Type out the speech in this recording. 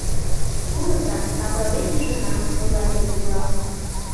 — Пурыза, пагален ӱжына, — ойлат ӱдыр-влак.